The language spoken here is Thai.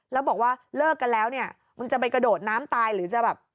แล้วบอกว่าเลิกกันแล้วเนี่ยมันจะไปกระโดดน้ำตายหรือจะแบบ